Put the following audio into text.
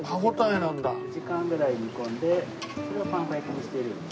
２時間ぐらい煮込んでそれをパン粉焼きにしている。